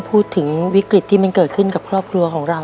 พูดถึงวิกฤตที่มันเกิดขึ้นกับครอบครัวของเรา